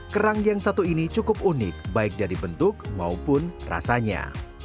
kerang yang satu ini cukup unik baik dari bentuk maupun rasanya